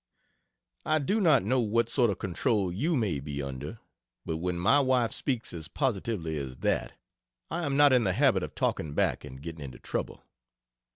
I do not know what sort of control you may be under, but when my wife speaks as positively as that, I am not in the habit of talking back and getting into trouble.